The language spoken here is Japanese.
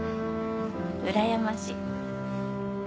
うらやましい。